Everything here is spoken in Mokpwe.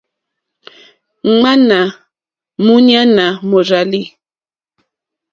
Ŋmánà múɲánà mòrzàlì.